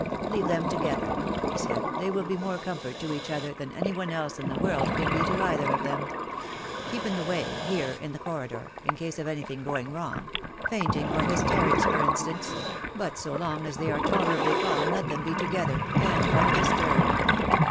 "Leave them together," he said. "They will be more comfort to each other than anyone else in the world can be to either of them. Keep in the way — here, in the corridor, in case of anything going wrong — fainting, or hysterics, for instance — but so long as they are tolerably calm let them be together, and undisturbed."